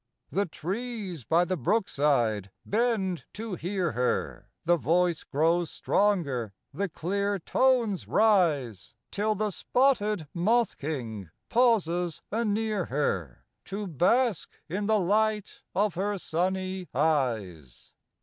" The trees by the brookside bend to hear her ; The voice grows stronger, the clear tones rise ; Till the spotted moth king pauses a near her To bask in the light of her sunny eyes.